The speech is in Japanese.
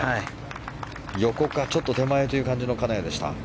横か、ちょっと手前という感じの金谷でした。